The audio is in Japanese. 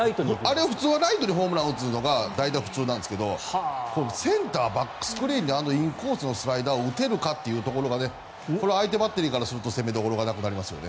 あれ、普通はライトにホームラン打つのが普通なんですけどセンター、バックスクリーンであのインコースのスライダーを打てるかっていうところでこれ、相手バッテリーからすると攻めどころがなくなりますよね。